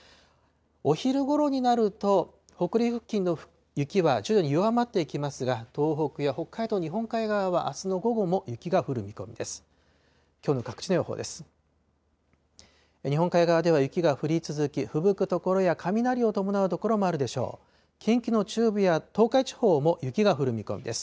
お昼ごろになると、北陸付近の雪は徐々に弱まっていきますが、東北や北海道日本海側はあすの午後も雪が降る見込みです。